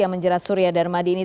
yang menjerat surya darmadi ini